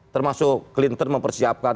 termasuk clinton mempersiapkan